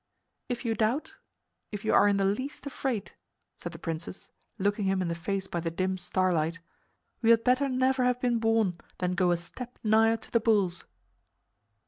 "If you doubt, if you are in the least afraid," said the princess, looking him in the face by the dim starlight, "you had better never have been born than go a step nigher to the bulls."